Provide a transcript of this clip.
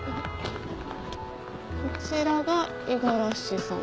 こちらが五十嵐さん。